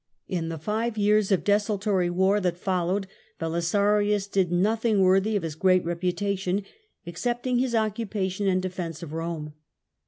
In the five years of desultory war that followed Belisarius did nothing worthy of his great reputation, excepting his occupation and defence of Borne.